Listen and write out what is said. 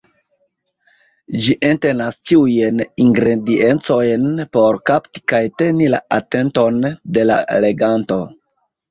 Ĝi entenas ĉiujn ingrediencojn por kapti kaj teni la atenton de la leganto.